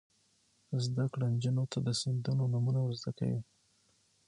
زده کړه نجونو ته د سیندونو نومونه ور زده کوي.